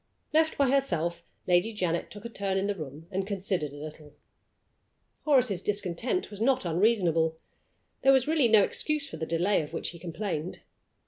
Left by herself, Lady Janet took a turn in the room, and considered a little. Horace's discontent was not unreasonable. There was really no excuse for the delay of which he complained.